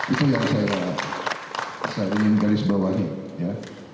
itu yang saya ingin garis bawahnya